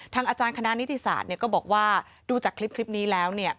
อาจารย์คณะนิติศาสตร์ก็บอกว่าดูจากคลิปนี้แล้ว